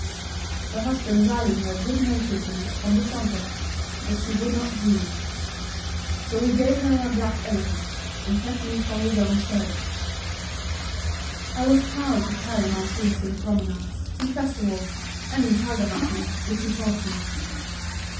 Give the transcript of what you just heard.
Her husband rallied her good naturedly upon the subject, but she would not yield. So he gave her a black elephant, and kept me for his own service. I was proud to carry my Prince in promenades, in festivals, and in Tiger hunting, which he taught me.